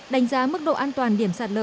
đánh giá mức độ an toàn điểm sạt lở